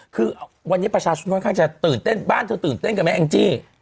คือวันนี้ประชาชนค่อนข้างจะตื่นเต้นบ้านเธอตื่นเต้นกันไหมแองจี้